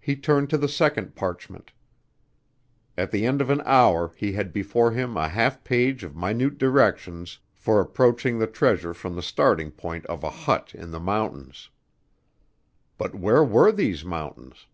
He turned to the second parchment. At the end of an hour he had before him a half page of minute directions for approaching the treasure from the starting point of a hut in the mountains. But where were these mountains?